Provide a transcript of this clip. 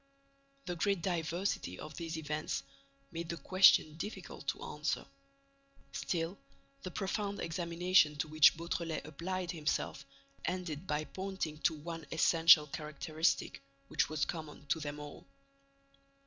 The great diversity of these events made the question difficult to answer. Still, the profound examination to which Beautrelet applied himself ended by pointing to one essential characteristic which was common to them all.